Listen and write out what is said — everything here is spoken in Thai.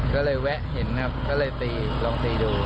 ก็เลยแวะเห็นครับก็เลยตีลองตีดู